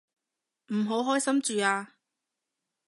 唔好開心住啊